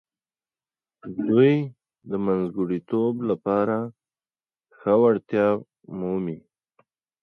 دوی د منځګړیتوب لپاره ښه وړتیا مومي.